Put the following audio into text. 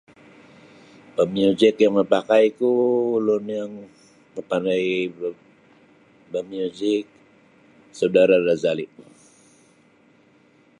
Pamiujik yang mapakaiku ulun yang mapandai bamiujik saudara Razali.